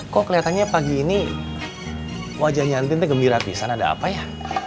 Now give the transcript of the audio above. kok kelihatannya pagi ini wajahnya entin tuh gembira pisan ada apa ya